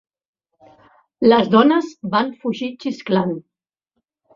Les dones van fugir xisclant.